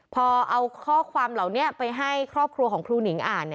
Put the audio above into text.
พอเอาข้อความเหล่านี้ไปให้ครอบครัวของครูหนิงอ่าน